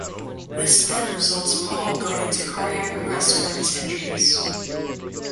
This then results Paul going into cardiac arrest from his injuries.